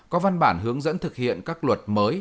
có văn bản hướng dẫn thực hiện các luật mới